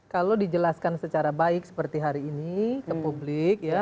kalau dijelaskan secara baik seperti hari ini ke publik ya